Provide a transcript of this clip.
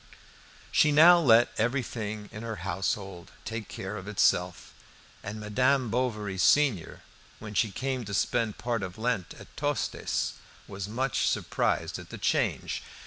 She now let everything in her household take care of itself, and Madame Bovary senior, when she came to spend part of Lent at Tostes, was much surprised at the change.